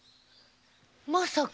まさか。